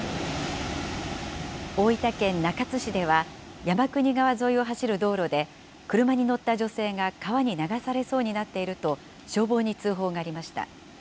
大分県中津市では山国川沿いを走る道路で、車に乗った女性が川に流されそうになっていると消防に通報がありました。